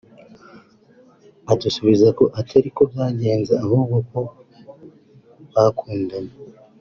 adusubiza ko atari ko byagenze ahubwo ko bakundanye